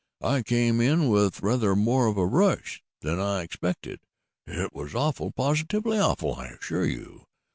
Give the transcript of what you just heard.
I came in with rather more of a rush than I expected. It was awful positively awful, I assure you.